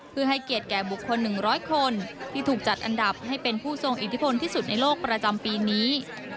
เพื่อให้เกียรติแก่บุคคล๑๐๐คนที่ถูกจัดอันดับให้เป็นผู้ทรงอิทธิพลที่สุดในโลกประจำปีนี้